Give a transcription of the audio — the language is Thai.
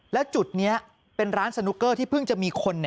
แล้วจุดนี้เป็นร้านสนุกเกอร์ที่เพิ่งจะมีคน